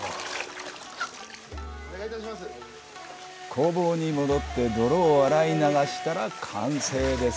工房に戻って泥を洗い流したら完成です。